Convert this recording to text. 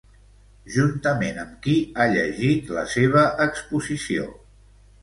Juntament amb qui ha llegit la seva exposició?